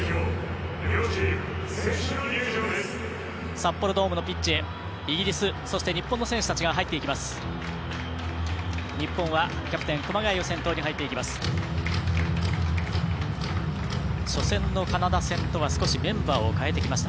札幌ドームのピッチへイギリス、日本の選手たちが入っていきます。